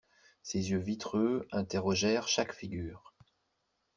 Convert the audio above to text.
Ses yeux vitreux interrogèrent chaque figure.